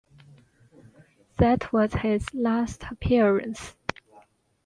That was his last appearance.